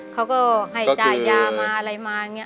เขาก็ให้จ่ายยามาอะไรมาอย่างนี้